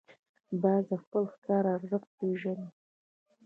باز د خپل ښکار ارزښت پېژني